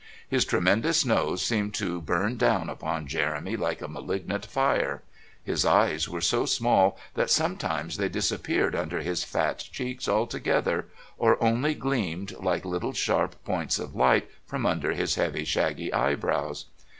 His tremendous nose seemed to burn down upon Jeremy like a malignant fire. His eyes were so small that sometimes they disappeared under his fat cheeks altogether, or only gleamed like little sharp points of light from under his heavy, shaggy eyebrows.